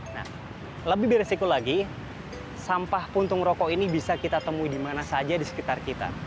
nah lebih beresiko lagi sampah puntung rokok ini bisa kita temui di mana saja di sekitar kita